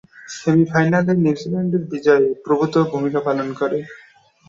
সেমি-ফাইনালে নিউজিল্যান্ডের বিজয়ে প্রভূতঃ ভূমিকা পালন করেন।